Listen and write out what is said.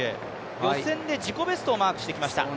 予選で自己ベストをマークしてきました。